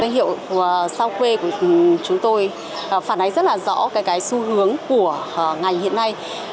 hiệu sao khuê của chúng tôi phản ánh rất là rõ cái xu hướng của ngành hiện nay